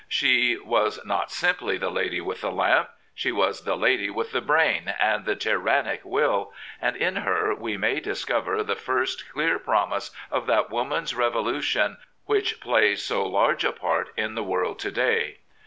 She was not simply the lady with the lamp; she was the lady with the brain and the tyrannic will, and in her we may dis cover the first clear promise of that woman's revolu tion which plays so large a part in the world to day.